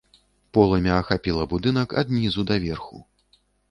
Полымя ахапіла будынак ад нізу да верху.